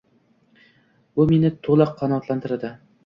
Bu meni to'la qanoatlantiradi.